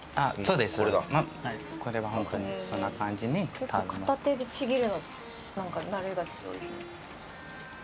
結構片手でちぎるのなんか慣れが必要ですね。